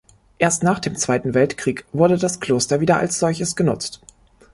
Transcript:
Erst nach dem Zweiten Weltkrieg wurde das Kloster wieder als solches genutzt.